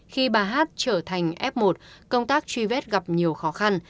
khi bà hát trở thành f một công tác truy vết gặp nhiều khó khăn